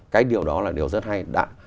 cái điều đó là điều rất hay